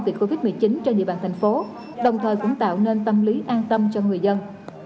dịch covid một mươi chín trên địa bàn thành phố đồng thời cũng tạo nên tâm lý an tâm cho người dân